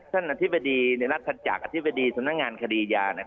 ท่านอธิบดีรัฐจักรอธิบดีสนักงานคดียาเนี่ย